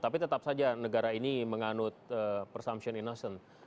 tapi tetap saja negara ini menganut presumption innocent